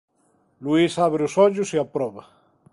Luís abre os ollos e aproba.